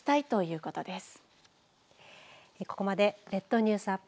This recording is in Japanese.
ここまで列島ニュースアップ